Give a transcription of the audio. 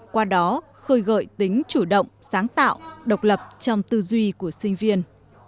qua đó khơi gợi tính chủ động sáng tạo độc lập trong tư duy của sinh viên